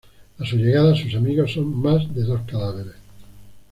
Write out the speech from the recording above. A su llegada, sus amigos son más de dos cadáveres.